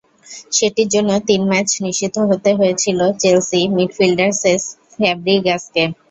সেটির জন্য তিন ম্যাচ নিষিদ্ধ হতে হয়েছিল চেলসি মিডফিল্ডার সেস ফ্যাব্রিগাসকে।